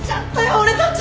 俺たち！